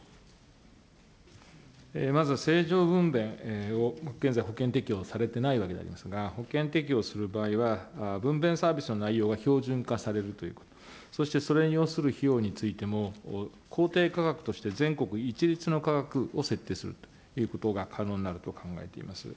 まず正常分娩を現在、保険適用されてないわけでありますが、保険適用する場合は、分娩サービスの内容が標準化されるという、そしてそれに要する費用についても、公定価格として全国一律の価格を設定するということが可能になると考えています。